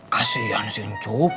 kasian si ncup